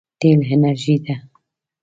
تېل انرژي ده.